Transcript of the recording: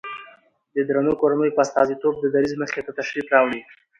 د درنو کورنيو په استازيتوب د دريځ مخې ته تشریف راوړي